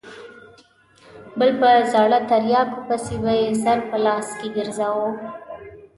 بل په زاړه تریاکو پسې به یې سر په لاس کې ګرځاوه.